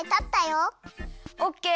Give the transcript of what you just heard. オッケー！